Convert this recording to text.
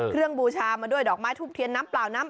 บูชามาด้วยดอกไม้ทูบเทียนน้ำเปล่าน้ำ